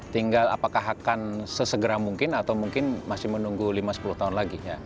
tinggal apakah akan sesegera mungkin atau mungkin masih menunggu lima sepuluh tahun lagi